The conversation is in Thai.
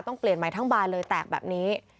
เปลี่ยนใหม่ทั้งบานเลยแตกแบบนี้